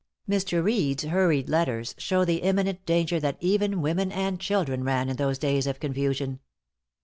Mr. Reed's hurried letters show the imminent danger that even women and children ran in those days of confusion.